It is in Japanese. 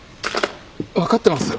分かってます。